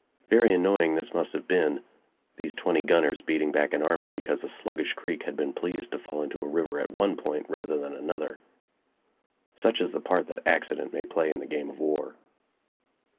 Very annoying this must have been these twenty gunners beating back an army because a sluggish creek had been pleased to fall into a river at one point rather than another. Such is the part that accident may play in the game of war.